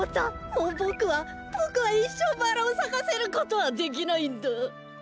もうボクはボクはいっしょうバラをさかせることはできないんだ！